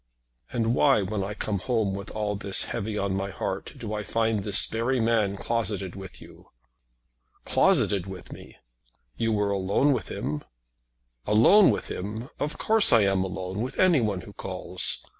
"And why, when I come home with all this heavy on my heart, do I find this very man closeted with you?" "Closeted with me!" "You were alone with him." "Alone with him! Of course I am alone with anyone who calls.